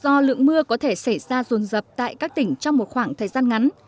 do lượng mưa có thể xảy ra rồn rập tại các tỉnh trong một khoảng thời gian ngắn